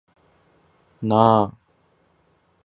なあ